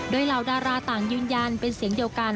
โดยเหล่าดาราต่างยืนยันเป็นเสียงเดียวกัน